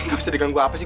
gak bisa diganggu apa sih